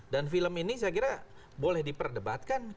dan kalau mengenai penyebutan